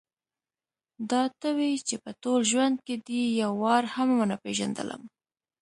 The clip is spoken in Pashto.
دا ته وې چې په ټول ژوند کې دې یو وار هم ونه پېژندلم.